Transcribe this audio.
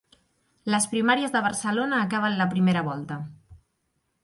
Les primàries de Barcelona acaben la primera volta